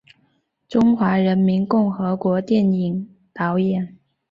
中华人民共和国电影导演。